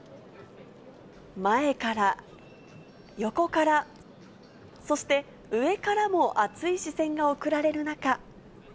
前から、横から、そして上からも熱い視線が送られる中。